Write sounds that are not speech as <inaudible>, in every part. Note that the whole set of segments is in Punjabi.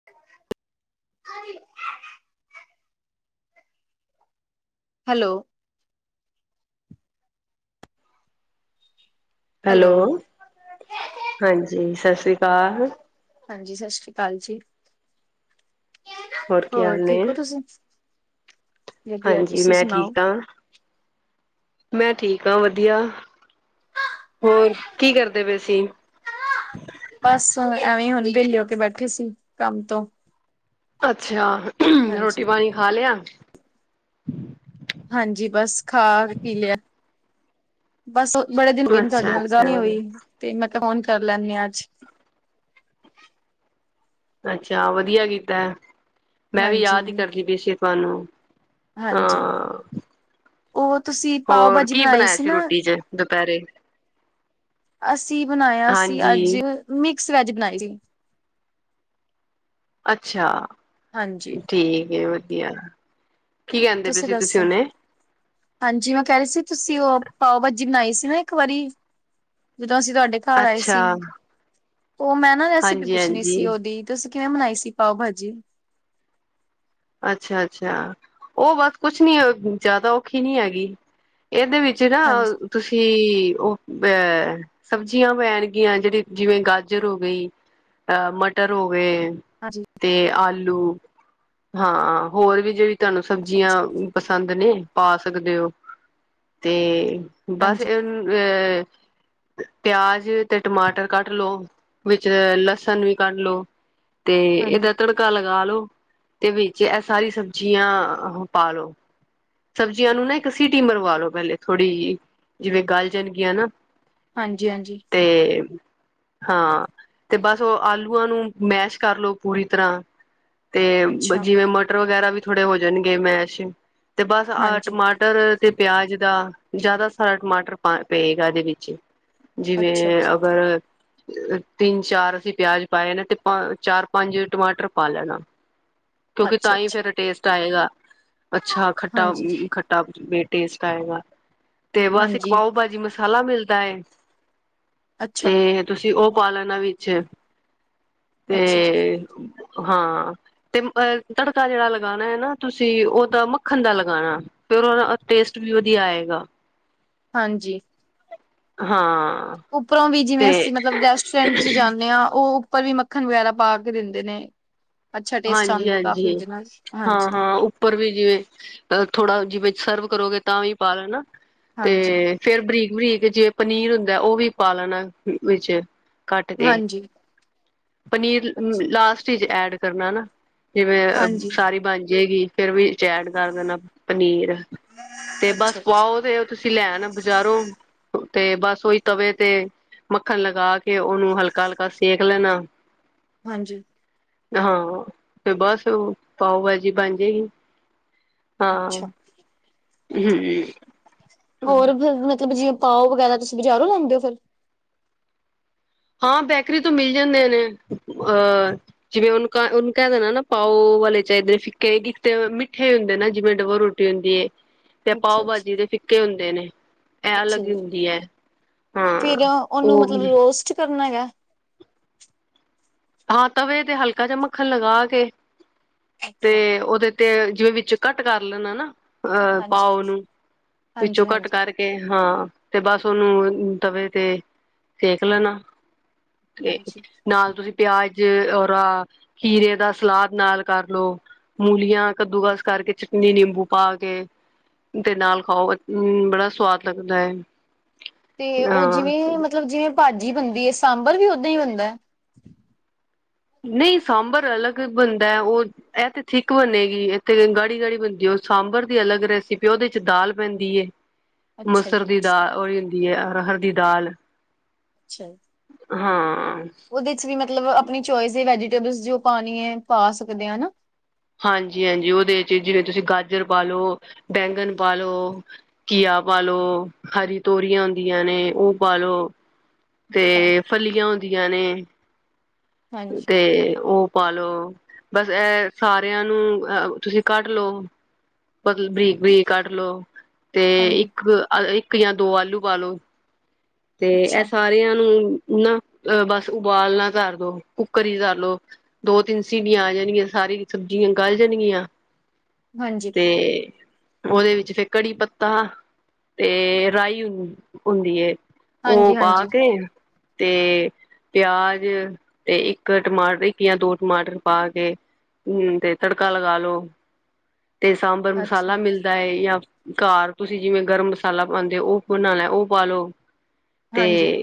<inaudible> ਹੈਲੋ ਹੈਲੋ ਹਾਂਜੀ ਸਤਿ ਸ਼੍ਰੀ ਅਕਾਲ ਹਾਂਜੀ ਸਤਿ ਸ਼੍ਰੀ ਅਕਾਲ ਜੀ। ਹੋਰ ਕੀ ਹਾਲ ਨੇ ਠੀਕ ਹੋ ਤੁਸੀਂ ਵਧੀਆ ਹਾਂਜੀ ਤੁਸੀਂ ਮੈਂ ਸੁਣਾਓ ਠੀਕ ਹਾਂ ਮੈਂ ਠੀਕ ਹਾਂ ਵੱਧੀਆ। ਹੋਰ ਕੀ ਕਰਦੇ ਪਏ ਅਸੀਂ। ਬਸ ਐਵੇਂ ਹੁਣੇ ਵੇਲੀ ਹੋ ਕੇ ਬੈਠੇ ਸੀ ਕੰਮ ਤੋਂ ਅੱਛਾ! ਰੋਟੀ ਹਾਂਜੀ ਪਾਨੀ ਖਾ ਲਿਆ ਹਾਂਜੀ ਬਸ ਖਾ ਪੀ ਲਿਆ ਬਸ ਬੜੇ ਦਿਨ ਹੋ ਗਏ ਨ ਤੁਹਾਡੇ ਅੱਛਾ ਨਾਲ ਅੱਛਾ ਗੱਲ ਹੋਈ ਤੇ ਮੈਂ ਕਿਹਾ ਫੋਨ ਕਰ ਲੈਂਦੀ ਹਾਂ ਅੱਜ ਅੱਛਾ ਵਧੀਆ ਕੀਤਾ ਮੈਂ ਵੀ ਹਾਂਜੀ ਯਾਦ ਹੀ ਕਰਦੀ ਪ ਸੀ ਤੁਹਾਨੂੰ। ਹਾਂਜੀ ਹਾਂ ਉਹ ਤੁਸੀਂ ਪਾਓ ਹੋਰ ਭਾਜੀ ਕੀ ਬਣਾਈ ਬਣਾਇਆ ਸੀ ਨਾ। ਰੋਟੀ ਚ ਦੁਪਹਿਰੇ ਅਸੀਂ ਬਣਾਇਆ ਸੀ ਅੱਜ ਹਾਂਜੀ ਮਿਕਸ ਵੈਜ ਬਣਾਈ ਸੀ। ਅੱਛਾ! ਹਾਂਜੀ ਠੀਕ ਵਧੀਆ- ਕੀ ਕਹਿੰਦੇ ਪਏ ਤੁਸੀਂ ਸੀ ਦੱਸੋ ਹੁਣੇ ਹਾਂਜੀ ਮੈਂ ਕਹਿ ਰਹੀ ਸੀ ਤੁਸੀਂ ਉਹ ਪਾਓ ਭਾਜੀ ਬਣਾਈ ਸੀ ਨਾ ਇੱਕ ਵਾਰੀ। ਜਦੋਂ ਅਸੀਂ ਤੁਹਾਡੇ ਘਰ ਆਏ ਅੱਛਾ ਸੀ ਉਹ ਮੈਂ ਨਾ ਰੈਸਪੀ ਹਾਂਜੀ ਪੁੱਛਣੀ ਸੀ ਹਾਂਜੀ ਉਹਦੀ। ਤੁਸੀਂ ਕਿਵੇਂ ਮਨਾਈ ਸੀ ਪਾਓ ਭਾਜੀ। ਅੱਛਾ! ਅੱਛਾ! ਉਹ ਬਸ ਕੁਛ ਨੀ ਜਿਆਦਾ ਔਖੀ ਨੀ ਹੈਗੀ ਇਹਦੇ ਵਿੱਚ ਹਾਂਜੀ ਜਿਹੜਾ ਤੁਸੀਂ ਉਹ ਅਹ ਸਬਜ਼ੀਆਂ ਪੈਣਗੀਆਂ ਜਿਹੜੀ ਜਿਵੇਂ ਗਾਜਰ ਹੋ ਗਈ ਅਹ ਮਟਰ ਹੋ ਗਏ। ਹਾਂਜੀ ਤੇ ਆਲੂ ਹਾਂ ਹੋਰ ਵੀ ਜਿਹੜੀ ਤੁਹਾਨੂੰ ਸਬਜ਼ੀਆਂ ਪਸੰਦ ਨੇ ਪਾ ਸ ਸਕਦੇ ਹੋ ਤੇ ਬਸ ਹਾਂਜੀ ਇਹ ਅਹ ਪਿਆਜ ਤੇ ਟਮਾਟਰ ਕੱਟ ਲੋ ਵਿੱਚ ਲਸਣ ਵੀ ਕੱਢ ਲਓ। ਤੇ ਇਦਾ ਹਾਂਜੀ ਤੜਕਾ ਲਗਾ ਲੋ ਤੇ ਵਿੱਚ ਇਹ ਸਾਰੀ ਸਬਜ਼ੀਆਂ ਪਾਲੋ ਸਬਜ਼ੀਆਂ ਨੂੰ ਨਾ ਇੱਕ ਸੀਟੀ ਮਰਵਾ ਲੋ ਪੈਲੇ ਥੋੜ੍ਹੀ ਜਿਹੀ ਜਿਵੇਂ ਗਲਜਣਗੀਆਂ ਨਾ। ਹਾਂਜੀ -ਹਾਂਜੀ ਤੇ ਹਾਂ ਤੇ ਬਸ ਉਹ ਆਲੂਆਂ ਨੂੰ ਮੈਸ਼ ਕਰਲੋ ਪੂਰੀ ਤਰ੍ਹਾਂ ਤੇ ਅੱਛਾ ਜਿਵੇਂ ਮਟਰ ਵਗੈਰਾ ਵੀ ਥੋੜੇ ਹੋ ਜਾਣਗੇ ਮੈਸ਼ ਤੇ ਬਸ ਅ ਹਾਂਜੀ ਟਮਾ ਟਰ ਤੇ ਪਿਆਜ ਦਾ ਜਾਦਾ ਸਾਰਾ ਟਮਾਟਰ ਪਏਗਾ ਇਹਦੇ ਵਿੱਚ ਅੱਛਾ ਜਿਵੇਂ ਅੱਛਾ ਅਗਰ ਤਿੰਨ ਚਾਰ ਅਸੀਂ ਪਿਆਜ ਪਾਏ ਨੇ, ਤੇ ਚਾਰ ਪੰਜ ਟਮਾਟਰ ਪਾ ਲੈਣਾ। ਕਿਉਂਕਿ ਅੱਛਾ ਤਾਂ ਹੀ ਅੱਛਾ ਫੇਿਰ ਟੇਸਟ ਆਏਗਾ ਅੱਛਾ ਖੱਟਾ ਹਾਂਜੀ ਖਟ ਬ ਟੇਸਟ ਆਏਗਾ ਤੇ ਬਸ ਇੱਕ ਹਾਂਜੀ ਪਾਓ ਭਾਜੀ ਮ ਮਸਾਲਾ ਮਿਲਦਾ ਹੈ ਅੱਛਾ ਤੇ ਤੁਸੀਂ ਉਹ ਪਾ ਲੈਣਾ ਵਿੱਚ ਤੇ ਅੱਛਾ ਅੱਛਾ, ਹਾਂ ਤੇ ਅਹ ਤੜਕਾ ਜਿਹੜਾ ਲਗਾਣਾ ਹੈ ਨਾ ਤੁਸੀਂ ਉਹ ਤਾਂ ਮੱਖਣ ਦਾ ਲਗਾਣਾ। ਫਿਰ ਓਦਾ ਟੇਸਟ ਵੀ ਵਧੀਆ ਆਏਗਾ ਹਾਂਜੀ। ਹਾਂ। ਉੱਪਰੋਂ ਵੀ ਜਿਵੇਂ ਤੇ ਅਸੀਂ ਮਤਲਬ ਰੈਸਟੋਰੈਂਟ ਚ ਜਾਂਦੇ ਹਾਂ ਉਹ ਉੱਪਰ ਵੀ ਮੱਖਣ ਵਗੈਰਾ ਪਾ ਕੇ ਦਿੰਦੇ ਨੇ ਅੱਛਾ ਟੇਸਟ ਹਾਂਜੀ ਆਂਦਾ ਕਾਫ਼ੀ ਹਾਂਜੀ ਉਦੇ ਨਾਲ ਹਾਂ ਹਾਂਜੀ ਹਾਂ ਉੱਪਰ ਵੀ ਜਿਵੇਂ ਥੋੜਾ ਜਿਵੇਂ ਸਰਵ ਕਰੋਗੇ ਤਾਂ ਵੀ ਪਾ ਲੈਨਾ ਹਾਂਜੀ। ਫੇਰ ਬਰੀਕ ਬਰੀਕ ਜਿਵੇਂ ਪਨੀਰ ਹੁੰਦਾ ਉਹ ਵੀ ਪਾ ਲੈਣਾ ਵਿੱਚ। ਕੱਟ ਕੇ ਹਾਂਜੀ ਪਨੀਰ ਅੱਛਾ ਲਾਸਟ ਇਚ ਐਡ ਕਰਨਾ ਨਾ ਜਿਵੇਂ ਹਾਂਜੀ ਸਾਰੀ ਬਣ ਜਾਏਗੀ। ਫੇਰ ਵੀ ਚੈਡ ਕਰ ਦੇਣਾ ਪਨੀਰ। ਤੇ ਬਸ ਅੱਛਾ ਅੱਛਾ ਪਾਓ ਤੇ ਤੁਸੀਂ ਲੈ ਆਣਾ ਬਜ਼ਾਰੋਂ ਤੇ ਬਸ ਉਹੀ ਤਵੇ ਤੇ ਮੱਖਣ ਲਗਾ ਕੇ ਉਹਨੂੰ ਹਲਕਾ ਹਲਕਾ ਸੇਕ ਲੈਣਾ। ਹਾਂਜੀ। ਹਾਂ ਤੇ ਬਸ ਪਾਓ ਭਾਜੀ ਬਣ ਜਾਏਗੀ। ਹਾਂ। ਅੱਛਾ ਹੋਰ ਫਿਰ ਮਤਲਬ ਜਿਵੇ ਪਾਓ ਵਗੈਰਾ ਤੁਸੀਂ ਬਜ਼ਾਰੋਂ ਲੈਂਦੇ ਹੋ ਫ਼ਿਰ ਹਾਂ ਬੈਕਰੀ ਤੋਂ ਮਿਲ ਜਾਂਦੇ ਨੇ ਅਹ ਜਿਵੇਂ ਉਹਨ ਕ ਉਹਨੂੰ ਕਹਿ ਦੇਣਾ ਨਾ ਪਾਓ ਵਾਲੇ ਚਾਹੀਦੇ ਫਿੱਕੇਤੇ ਮਿੱਠੇ ਹੁੰਦੇ ਨਾ ਜਿਵੇਂ ਰੋਟੀ ਦੀ ਹੈ <unintelligible> ਤੇ ਅੱਛਾ ਪਾਓ ਅੱਛਾ ਭਾਜੀ ਦੇ ਫਿੱਕੇ ਹੁੰਦੇ ਨੇ ਇਹ ਅ ਲੱਗੀ ਹੁੰਦੀ ਹੈ। ਹਾਂ ਠੀਕ ਹੈ ਉਹਨੂੰ ਉਹ ਮਤਲਬ ਰੋਸਟ ਕਰਨਾ ਹੈਗਾ ਹਾਂ ਤਵੇ ਤੇ ਹਲਕਾ ਜਿਆ ਮੱਖਣ ਲਗਾ ਕੇ ਤੇ ਅੱਛਾ, ਉਹਦੇ ਤੇ ਜਿਵੇਂ ਵਿੱਚ ਕਟ ਕਰ ਲੈਣਾ ਨਾ ਅ ਹਾਂਜੀ, ਪਾਓ ਨੂੰ ਹਾਂਜੀ, ਵਿੱਚੋਂ ਕਟ ਹਾਂਜੀ, ਕਰਕੇ ਕੇ ਹਾਂ ਤੇ ਬਸ ਉਹਨੂੰ ਤਵੇ ਤੇ ਸੇਕ ਲੈਣਾ ਤੇ ਹਾਂਜੀ। ਨਾਲ ਤੁਸੀਂ ਪਿਆਜ ਓਰਾ ਖੀਰੇ ਦਾ ਸਲਾਦ ਨਾਲ ਕਰਲੋ। ਮੂਲੀਆਂ ਕੱਦੂਕਸ ਕਰਕੇ ਚਟਨੀ ਨਿੰਬੂ ਪਾ ਕੇ ਤੇ ਨਾਲ ਖਾਓ ਅੰ ਬੜਾ ਸਵਾਦ ਲੱਗਦਾ ਏ ਤੇ ਉਹ ਜਿਵੇਂ ਮਤਲਬ ਜਿਵੇਂ ਭਾਜੀ ਬਣਦੀ ਏ ਸਾਂਬਰ ਵੀ ਓਦਾਂ ਹੀ ਬਣਦਾ। ਨਹੀਂ ਸਾਂਬਰ ਅਲੱਗ ਬਣਦਾ ਉਹ ਇਹ ਤੇ ਥਿੱਕ ਬਣੇੇਗੀ ਇੱਥੇ ਗਾੜੀ ਗਾੜੀ ਬਣਦੀ ਉਹ ਸਾਂਬਰ ਦੀ ਅਲੱਗ ਰੈਸਿਪੀ ਉਹਦੇ ਚ ਦਾਲ ਪੈਂਦੀ ਏ <inaudible> ਮਸਰ ਜੀ, ਦੀ ਦਾਲ ਓਹੀ ਹੁੰਦੀ ਹੈ ਅਰਹਰ ਦੀ ਦਾਲ ਅੱਛਾ। ਹਾਂ ਆ। ਔਹਦੇ ਚ ਵੀ ਮਤਲਬ ਆਪਣੀ ਚੋਇਸ ਦੀ ਵੈਜੀਟੇਬਲ ਜੋ ਪਾਣੀ ਹੈ ਪਾ ਸਕਦੇ ਆ ਹਨਾ। ਹਾਂਜੀ -ਹਾਂਜੀ ਔਹਦੇ ਚ ਜਿਵੇਂ ਤੁਸੀਂ ਗਾਜਰ ਪਾ ਲਓ ਬੈਂਗਨ ਪਾ ਲਓ ਘੀਆ ਪਾਲੋ, ਹਰੀ ਤੋਰੀਆਂ ਆਦੀਆਂ ਨੇ ਔਹ ਪਾਾਲੋ। ਅੱਛਾ, ਤੇ ਫਲੀਆਂ ਹੁੰਦੀਆਂ ਨੇ ਹਾਂਜੀ, ਤੇ ਔਹ ਪਾਾਲੋ ਬਸ ਇਹ ਸਾਰਿਆਂ ਨੂੰ ਤੁਸੀਂ ਕੱਢ ਲਓ। ਬਾਕੀ ਬਰੀਕ -ਬਰੀਕ ਕੱਟ ਲਓ। ਤੇ ਹਾਂਜੀ, ਇੱਕ ਅ ਇੱਕ ਜਾਂ ਦੋ ਆਲੂ ਪਾਾਲੋ ਤੇ ਇਹ ਅੱਛਾ, ਸਾਰਿਆਂ ਨੂੰ ਨਾ ਬਸ ਉਬਾਲਣਾ ਧਰ ਦੋ। ਕੁੱਕਰ ਹੀ ਗਾਲੋ ਦੋ ਤਿੰਨ ਸੀਟੀਆਂ ਆ ਜਾਣਗੀਆਂ ਸਾਰੀ ਸਬਜ਼ੀਆਂ ਗਲ ਜਾਣਗੀਆਂ। ਹਾਂਜੀ, ਤੇ ਔਹਦੇ ਵਿੱਚ ਫਿਰ ਕੜੀ ਪੱਤਾ ਤੇ ਰਾਈ ਹੁੰਦੀ ਏ ਹਾਂਜੀ, ਔਹ ਪਾ ਹਾਂਜੀ, ਕੇ ਤੇ ਪਿਯਾਜ ਤੇ ਇੱਕ ਟਮਾਟਰ ਇੱਕ ਜਾਂ ਦੋ ਟਮਾਟਰ ਪਾ ਕੇ। ਹਮ ਤੇ ਤੜਕਾ ਲਗਾ ਲੋੋ ਤੇ ਸਾਂਬਰ ਅੱਛਾ, ਮਸਾਲਾ ਮਿਲਦ ਦਾ ਏ ਯਾ ਘਰ ਤੁਸੀਂ ਜਿਵੇਂ ਗਰਮ ਮਸਾਲਾ ਪਾਉਂਦੇ ਹੋ ਔਹ ਬਣਾਨਾ ਔ ਪਾਲਓ। ਤੇ ਹਾਂਜੀ,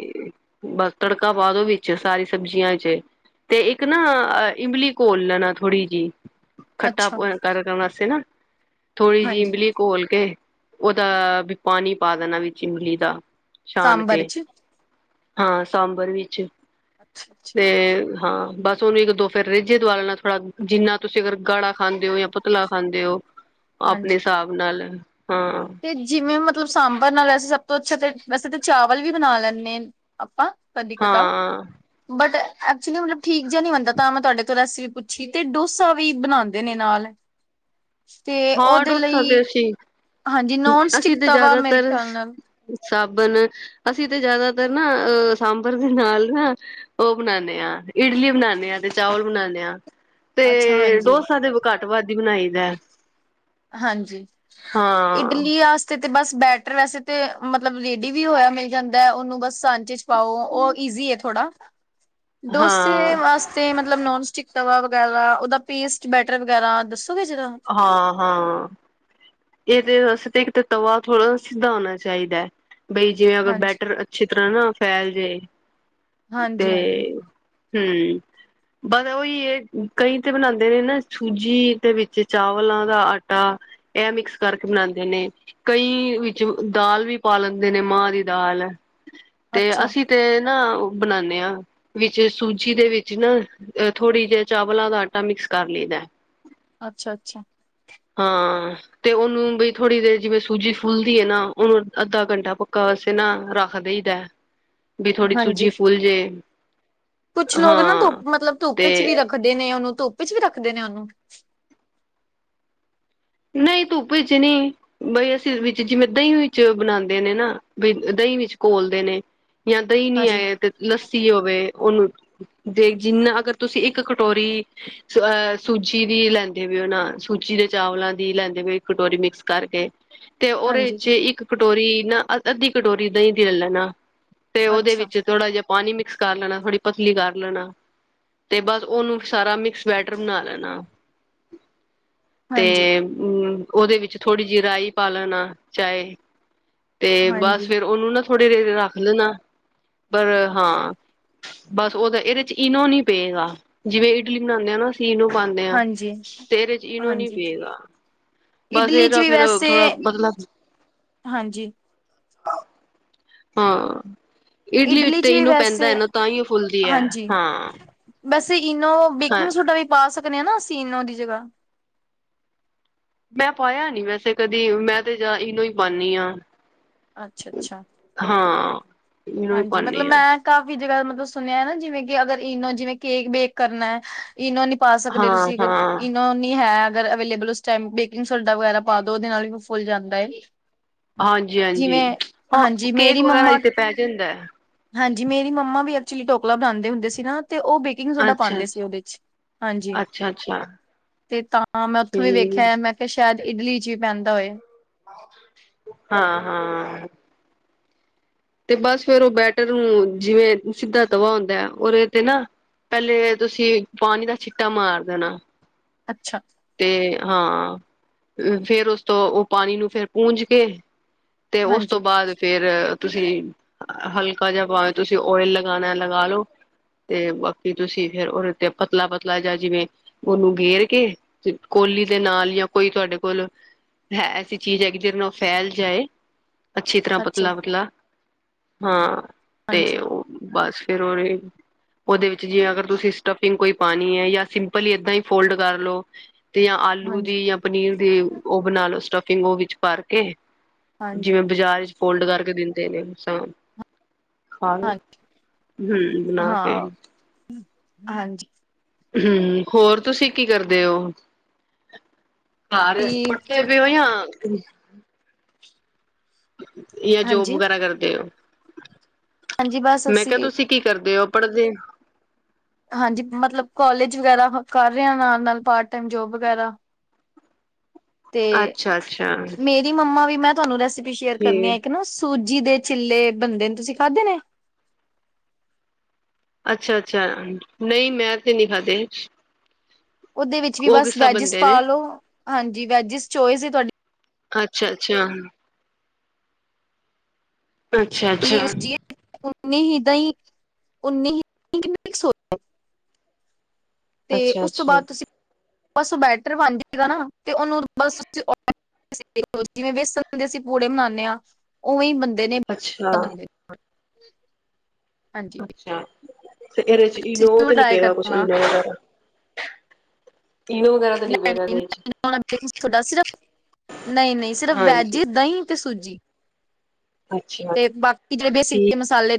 ਬਸ ਤੜਕਾ ਪਾ ਦੋ ਵਿੱਚ ਸਾਰੀ ਸਬਜ਼ੀਆਂ ਚ ਤੇ ਇੱਕ ਨਾ ਇਮਲੀ ਘੋਲ ਲੈਣਾ ਥੋੜੀ ਜਿਹੀ ਖੱਟਾ ਅੱਛਾ, ਟਾ ਕਰਨ ਵਾਸਤੇ ਨਾ ਥੋੜ੍ਹੀ ਜਿਹੀ ਹਾਂਜੀ, ਇਮਲੀ ਘੋਲ ਕੇ ਔਹਦਾ ਵੀ ਪਾਣੀ ਪਾ ਦੇਣਾ ਵਿਚ ਇਮਲੀ ਦਾ ਛਾਨ ਸਾਂਬਰ ਕੇ, ਚ ਹਾਂ ਸਾਂਬਰ ਵਿੱਚ ਅੱਛਾ, ਅੱਛਾ, ਤੇ ਹਾਂ ਬਸ। ਤੇ ਔਹਨੂੰ ਇੱਕ ਦੋ ਫੇਰ ਰੇਝੇ ਦਵਾ ਲੈਣਾ ਥੋੜਾ ਜਿੰਨਾ ਤੁਸੀਂ ਅਗਰ ਗਾੜਾ ਖਾਂਦੇ ਹੋ ਜਾਂ ਪਤਲਾ ਖਾਂਦੇ ਹੋ। ਆਪਣੇ ਹਾਂਜੀ। ਹਿਸਾਬ ਨਾਲ ਹਾਂ। ਤੇ ਜਿਵੇਂ ਮਤਲਬ ਸਾਂਬਰ ਨਾਲ ਵੈਸੇ ਸਭ ਤੋਂ ਅੱਛਾ ਤੇ ਵੈਸੇ ਤਾਂ ਚਾਵਲ ਵੀ ਬਣਾ ਲੈਂਦੇ ਹ ਆਪਾਂ ਕਦੀਕਦਾ ਹਾਂ <unintelligible> ਬਟ ਐਕਚੁਲੀ ਮਤਲੱਬ ਠੀਕ ਜੇ ਨ ਨਹੀਂ ਬਣਦਾ ਤਾਂ ਮੈਂ ਤੁਹਾਡੇ ਕੋਲ ਰੈਸਪੀ ਪੁੱਛੀ ਤੇ ਡੋਸਾ ਵੀ ਬਣਾਉਂਦੇ ਨੇ ਨਾਲ ਤੇ ਹਾਂ ਔਦੇ ਡੋਸਾ ਤੇ ਲਈ। ਅਸੀਂ ਹਾਂਜੀ ਨੋਨ ਸਟਿਕ ਅਸੀਂ ਤੇ ਤਵਾ ਮੇਰੇ ਜ਼ਿਆਦਾਤਰ ਖਿਆਲ ਨਾਲ- ਸਾਬਣ ਅਸੀਂ ਤਾਂ ਜ਼ਿਆਦਾਤਰ ਨਾ ਅਹ ਸਾਂਬਰ ਵੀ ਨਾਲ ਨਾ ਔਹ ਬਣਾਉਦੇ ਆ, ਇਡਲੀ ਬਣਾਉਂਦੇ ਹਾਂ, ਤੇ ਚਾਵਲ ਬਣਾਉਦੇ ਹਾਂ। ਅੱਛਾ ਤੇ ਹਾਂਜੀ ਡੋਸਾ ਤੇ ਘੱਟ ਵੱਧ ਹੀ ਬਣਾਈ ਦਾ- ਹਾਂਜੀ ਹਾਂ ਇਡਲੀ ਆਸ ਤੇ ਤੇ ਬਸ ਬੈਟਰ ਵੈਸੇ ਤੇ ਮਤਲੱਬ ਰੇਡੀ ਵੀ ਹੋਇਆ ਮਿਲ ਜਾਂਦਾ ਉਹਨੂੰ ਬਸ ਸਾਂਝੇ ਪਾਓ ਔਹ ਈਜ਼ੀ ਏ ਥੋੜਾ ਡੋਸੇ ਹਾਂ ਵਾਸ ਤੇ ਮਤਲਬ ਨੋਨ ਸਟਿਕ ਤਵਾ ਵਗੈਰਾ ਔਹਦਾ ਪੇਸਟ ਬੈਟਰ ਵਗੈਰਾ ਦੱਸੋਗੇ ਜਰਾ। ਹਾਂ ਹਾਂ। ਏਦੇ ਵਾਸਤੇ ਤੇ ਇੱਕ ਤ ਤਵਾ ਥੋੜਾ ਸਿਧਾ ਹੋਣਾ ਚਾਹੀਦਾ ਹੈ ਬਈ ਜਿਵੇਂ ਅਗਰ ਹਾਂਜੀ ਬੈਟਰ ਅ ਛਿੱਤਰਾ ਨਾ ਫੈਲ ਜਾਏ, ਤੇ ਹਾਂਜੀ-ਹਾਂਜੀ, ਹਮ ਬਸ ਔਹੀ ਏ ਕਈ ਤੇ ਬਣਾਉਂਦੇ ਨੇ ਨਾ ਛੂਜੀ ਦੇ ਵਿੱਚ ਚਾਵਲਾਂ ਦਾ ਆਟਾ ਐ ਮਿਕਸ ਕਰਕੇ ਬਣਾਉਂਦੇ ਨੇ ਕਈ ਵਿੱਚ ਦਾਲ ਵੀ ਪਾ ਲੈਂਦੇ ਨੇ ਮਾਂ ਦੀ ਦਾਲ, ਤੇ ਅੱਛਾ, ਅਸੀਂ ਤੇ ਨਾ ਔਹ ਬਣਾਉਣੇ ਆਂ- ਵਿੱਚ ਸੂਜੀ ਦੇ ਵਿੱਚ ਨਾ ਥੋੜ੍ਹੀ ਜਾ ਚਾਵਲਾਂ ਦਾ ਆਟਾ ਮਿਕਸ ਕਰ ਲਈਦਾ। ਅੱਛਾ -ਅੱਛਾ। ਹਾਂ। ਤੇ ਔਹਨੂੰ ਬਈ ਥੋੜ੍ਹੀ ਦੇਰ ਜਿਵੇਂ ਸੂਜੀ ਫੁਲਦੀ ਹੈ ਨਾ ਔਹਨੂੰ ਅੱਧਾ ਘੰਟਾ ਪੱਕਾ ਵਾਸੇ ਨਾ ਰੱਖ ਦੇਈਦਾ। <inaudible> ਵੀ ਥੋੜ੍ਹੀ ਹਾਂਜੀ, ਸੂਜੀ ਫੁੱਲ ਜੇ ਕੁਛ ਲੋਗ ਨਾ ਹਾਂ ਧੁੱਪ ਮਤਲੱਬ ਧੁੱਪ ਚੱ ਵੀ ਤੇ ਰਖ ਖਦੇ ਨੇ ਔਹਨੂੰ ਧੁੱਪ ਚ ਵੀ ਰੱਖਦੇ ਨੇ ਔਹਨੂੰ ਨਈ, ਧੁੱਪ ਚ ਨੀ। ਬਈ ਅਸੀਂ ਵਿੱਚ ਜਿਵੇਂ ਦਹੀਂ ਵਿੱਚ ਬਣਾਂਦੇ ਨੇ ਨਾ, ਬਈ ਦਹੀਂ ਵਿੱਚ ਘੋਲਦੇ ਨੇ। ਜਾਂ ਦਹੀਂ ਨੀ ਹਾਂਜੀ, ਐ, ਤੇ ਲੱਸੀ ਹੋਵੇ ਉਹਨੂੰ ਦੇਖ ਜਿੰਨਾ ਅਗਰ ਤੁਸੀਂ ਇੱਕ ਕਟੋਰੀ ਆਹ ਸੂਜ਼ੀ ਦੀ ਲੈਂਦੇ ਵੀ ਉਹ ਨਾ, ਸੂਜ਼ੀ ਦੇ ਚਾਵਲਾਂ ਦੀ ਲੈਂਦੇ ਹੋਏ ਕਟੋਰੀ ਮਿਕਸ ਕਰਕੇ, ਤੇ ਉਹਦੇ ਹਾਂਜੀ, ਵਿੱਚ ਇੱਕ ਕਟੋਰੀ ਨਾ ਅ ਅੱਧੀ ਕਟੋਰੀ ਦਹੀਂ ਦੀ ਲੈ ਲੈਣਾ, ਤੇ ਉਹਦੇ ਅੱਛਾ, ਵਿੱਚ ਥੋੜਾ ਜਾ ਪਾਣੀ ਮਿਕਸ ਕਰ ਲੈਣਾ, ਥੋੜ੍ਹੀ ਪਤਲੀ ਕਰ ਲੈਣਾ। ਤੇ ਬਸ ਉਹਨੂੰ ਸਾਰਾ ਮਿਕਸ ਬੈਟਰ ਬਣਾ ਲੈਣਾ। ਤੇ ਹਾਂਜੀ, ਉਹਦੇ ਵਿੱਚ ਥੋੜ੍ਹੀ ਜੀ ਰਾਈ ਪਾ ਲੇਣਾ ਚਾਏ। ਤੇ ਬਸ ਹਾਂਜੀ। ਫਿਰ ਉਹਨੂੰ ਨਾ ਥੋੜ੍ਹੇ ਦੇ ਰੱਖ ਲੈਣਾ, ਪਰ ਹਾਂ ਬਸ ਉਹਦਾ ਇਹਦੇ ਚ ਇਨੋ ਨੀ ਪਏਗਾ, ਜਿਵੇਂ ਇਡਲੀ ਬਣਾਣੇ ਆਂ ਨਾ। ਤੇ ਈਨੋ ਪਾਂਦੇ ਆਂ, ਹਾਂਜੀ, ਤੇ ਇਹਦੇ ਚ ਈਨੋ ਨੀ ਹਾਂਜੀ ਪਏਗਾ। ਬਸ ਇਡਲੀ ਚ ਇਹਦਾ ਵੀ ਫੇਰ ਵੈਸੇ, ਥੋੜਾ ਮਤਲਬ ਹਾਂਜੀ। ਹਾਂ, ਇਡਲੀ ਵਿੱਚ ਤੇ ਚ ਵੀ ਈਨੋ ਪੈਂਦਾ ਵੈਸੇ ਐ ਨਾ, ਤਾਂਹੀ ਉਹ ਫੁੱਲਦੀ ਐ, ਹਾਂਜੀ। ਹਾਂ। ਵੈਸੇ ਇਨੋ ਹਾਂ ਬੇਕਿੰਗ ਸੋਡਾ ਵੀ ਪਾ ਸਕਦੇ ਆਂ ਨਾ, ਅਸੀਂ ਈਨੋ ਦੀ ਜਗ੍ਹਾ। ਮੈਂ ਪਾਇਆ ਨੀ ਵੈਸੇ ਕਦੀ, ਮੈਂ ਤੇ ਜਾਦਾ ਇਨੋ ਹੀ ਪਾਂਨੀ ਆਂ। ਅੱਛਾ-ਅੱਛਾ। ਹਾਂ। ਇਨੋ ਹੀ ਹਾਂਜੀ, ਮਤਲਬ ਪਾਉਦੀ ਹਾਂ ਮੈਂ ਕਾਫ਼ੀ ਜਗ੍ਹਾ ਮਤਲਬ ਸੁਣਿਆ ਐ ਨਾ, ਜਿਵੇਂ ਕਿ ਅਗਰ ਇਨੋ ਜਿਵੇਂ ਕੇਕ ਬੇਕ ਕਰਨਾ ਐ ਇਨੋ ਨੀ ਪਾ ਸਕਦੇ ਹਾਂ ਤੁਸੀਂ ਅਗਰ, ਹਾਂ ਇਨੋ ਨੀ ਹੈ। ਅਗਰ ਅਵੇਲੇਬਲ ਉਸ ਟਾਇਮ ਬੇਕਿੰਗ ਸੋਡਾ ਵਗੈਰਾ ਪਾ ਦੋ, ਉਦੇ ਨਾਲ ਵੀ ਫੁੱਲ ਜਾਂਦਾਂ ਐ। ਹਾਂਜੀ-ਹਾਂਜੀ, ਹਾਂ ਹਾਂਜੀ ਕੇਕ ਮੇਰੀ ਵਗੈਰਾ ਮੰਮਾ ਚ ਤੇ ਪੈ ਜਾਂਦਾ। ਹਾਂਜੀ, ਮੇਰੀ ਮੰਮਾ ਵੀ ਐਕਚੁਲੀ ਡੋਕਲਾ ਬਣਾਂਦੇ ਹੁੰਦੇ ਸੀ ਨਾ, ਤੇ ਉਹ ਬੇਕਿੰਗ ਸੋਡਾ ਅੱਛਾ ਪਾਂਦੇ ਸੀ ਉਹਦੇ ਵਿੱਚ, ਹਾਂਜੀ। ਅੱਛਾ-ਅੱਛਾ ਤੇ ਤਾਂ ਮੈਂ ਉੱਥੋਂ ਵੀ ਠੀਕ ਵੇਖਿਆ, ਮੈਂ ਕਿਹਾ ਸ਼ਾਇਦ ਇਡਲੀ ਚ ਵੀ ਪੈਂਦਾ ਹੋਏ। ਹਾਂ-ਹਾਂ। ਤੇ ਬਸ ਫਿਰ ਉਹ ਬੈਟਰ ਨੂੰ ਜਿਵੇਂ ਸਿੱਧਾ ਤਵਾ ਹੁੰਦਾ ਐ, ਓਹਦੇ ਤੇ ਨਾ ਪਹਿਲੇ ਤੁਸੀਂ ਪਾਣੀ ਦਾ ਛਿੱਟਾ ਮਾਰ ਦੇਣਾ। ਅੱਛਾ। ਤੇ ਹਾਂ, ਫੇਰ ਉਸ ਤੋਂ ਉਹ ਪਾਣੀ ਨੂੰ ਫੇਰ ਪੂੰਜ ਕੇ ਤੇ ਉਸ ਤੋਂ ਹਾਂਜੀ ਬਾਅਦ ਫਿਰ ਤੁਸੀਂ ਹਲਕਾ ਜਾ ਭਾਵੇਂ ਤੁਸੀਂ ਓਇਲ ਲਗਾਣਾ ਲਗਾ ਲੋ। ਤੇ ਬਾਕੀ ਤੁਸੀਂ ਫਿਰ ਉਹਦੇ ਤੇ ਪਤਲਾ-ਪਤਲਾ ਜਾਂ ਜਿਵੇਂ ਉਹਨੂੰ ਗੇਰ ਕੇ, ਕੋਲੀ ਦੇ ਨਾਲ ਜਾਂ ਕੋਈ ਤੁਹਾਡੇ ਕੋਲ ਹੈ ਐਸੀ ਚੀਜ਼ ਹੈਗੀ ਜਿਹਦੇ ਨਾਲ ਉਹ ਫੈਲ ਜਾਏ, ਅੱਛੀ ਤਰ੍ਹਾਂ ਅੱਛਾ ਪਤਲਾ-ਪਤਲਾ। ਹਾਂ, ਤੇ ਹਾਂਜੀ ਉਹ ਬਸ ਫਿਰ ਉਹਰੇ ਉਹਦੇ ਵਿੱਚ ਜੇ ਅਗਰ ਤੁਸੀਂ ਸਟਫਿੰਗ ਕੋਈ ਪਾਨੀ ਐ, ਜਾਂ ਸਿੰਪਲੀ ਏਦਾਂ ਹੀ ਫੋਲਡ ਕਰ ਲੋ। ਤੇ ਜਾਂ ਆਲੂ ਹਾਂਜੀ ਦੀ, ਜਾਂ ਪਨੀਰ ਦੀ ਉਹ ਬਣਾ ਲੋ ਸਟਫਿੰਗ, ਉਹ ਵਿੱਚ ਭਰ ਕੇ। ਹਾਂਜੀ ਜਿਵੇਂ ਬਾਜ਼ਾਰ ਵਿੱਚ ਫੋਲਡ ਕਰਕੇ ਦਿੰਦੇ ਨੇ ਸਾਨੂੰ। ਖਾ ਲੋ, ਹਾਂਜੀ ਹੂੰ ਬਣਾ ਕੇ। ਹਾਂ ਹਾਂਜੀ। ਹੂੰ, ਹੋਰ ਤੁਸੀਂ ਕੀ ਕਰਦੇ ਹੋ, ਘਰ ਤੇ ਪੱਠੇ <inaudible> ਜਾਂ ਜੋਬ ਹਾਂਜੀ ਵਗੈਰਾ ਕਰਦੇ ਹੋ। ਹਾਂਜੀ ਬਸ ਮੈਂ ਕਿਹਾ ਅਸੀਂ ਤੁਸੀਂ ਕੀ ਕਰਦੇ ਓ, ਪੜ੍ਹਦੇ ਓ। ਹਾਂਜੀ, ਮਤਲੱਬ ਕੋਲੇਜ ਵਗੈਰਾ ਕਰ ਰਿਹਾ, ਨਾਲ-ਨਾਲ ਪਾਰਟ ਟੈਮ ਜੋਬ ਵਗੈਰਾ। ਤੇ ਅੱਛਾ ਅੱਛਾ ਮੇਰੀ ਮੰਮਾ ਵੀ, ਮੈਂ ਤੁਹਾਨੂੰ ਰੈਸਿਪੀ ਸ਼ੇਅਰ ਕਰਨੀ ਆ ਠੀਕ ਇੱਕ ਨਾ। ਸੂਜ਼ੀ ਦੇ ਚਿੱਲੇ ਬਣਦੇ ਨੇ, ਤੁਸੀਂ ਖਾਧੇ ਨੇ। ਅੱਛਾ-ਅੱਛਾ, ਨਈ ਮੈਂ ਤੇ ਨੀ ਖਾਧੇ। ਉਦੇ ਵਿੱਚ ਵੀ ਉਹ ਬਸ ਕਿੱਸਾ ਵੈਜਸ ਬੰਦੇ ਪਾ ਨੇ ਲੋੋ, ਹਾਂਜੀ ਵੈਜਸ ਚੇਇਸ ਤੁਹਾਡੀ। ਅੱਛਾ, ਅੱਛਾ ਅੱਛਾ ਅੱਛਾ ਉਨੀ ਹੀ ਦਹੀਂ ਉਨੀ ਹੀ ਤੇ ਅੱਛਾ ਓਸ ਤੋਂ ਅੱਛਾ ਬਾਅਦ ਤੁਸੀਂ ਬਸ ਬੈਟਰ ਬਣ ਜਾਏਗਾ, ਨਾ ਤੇ ਉਹਨੂੰ ਬਸ ਜਿਵੇਂ ਬੇਸਣ ਦੇ ਅਸੀਂ ਪੂੜੇ ਬਨਾਨੇ ਆਂ। ਓਵੇਂਈ ਬੰਦੇ ਨੋ ਅੱਛਾ ਬੰਦੇ ਅੱਛਾ, ਤੇ ਇਹਦੇ ਚ ਤੁਸੀਂ ਇਨੋ ਜ਼ਰੂਰ ਤੇ ਨੀ ਟਰਾਈ ਪੇਯਾ ਕੁਛ ਕਰਨਾ ਇਨੋ ਵਗੇਰਾ ਕਿਨੂੰ। ਤੁਹਾਡਾ ਸਿਰ <unintelligible> ਨਹੀਂ- ਨਹੀਂ ਸਿਰਫ ਵੈਜ ਹਾਂਜੀ ਦਹੀਂ ਤੇ ਸੂਜੀ। ਅੱਛਾ ਯਾ। ਤੇ ਬਾਕੀ ਜਿਹੜੇ ਬੇਸਿਕ ਜੇ ਮਸਾਲੇ